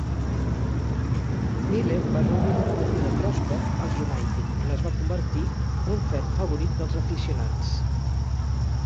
Miller va gaudir d'un període pròsper al United, on es va convertir un ferm favorit dels aficionats.